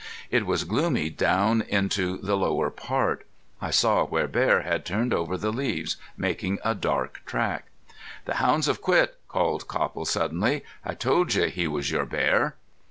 It was gloomy down into the lower part. I saw where bear had turned over the leaves making a dark track. "The hounds have quit," called Copple suddenly. "I told you he was your bear."